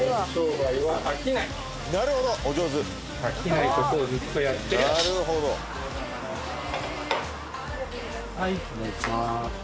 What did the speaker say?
はいお願いします。